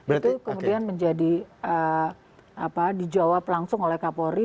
itu kemudian menjadi dijawab langsung oleh kapolri